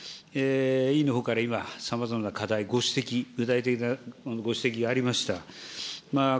委員のほうから今、さまざまな課題、ご指摘、具体的なご指摘がありました。